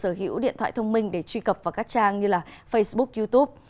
trẻ em cũng có thể sử dụng điện thoại thông minh để truy cập vào các trang như facebook youtube